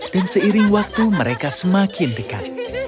dan seiring waktu mereka semakin dekat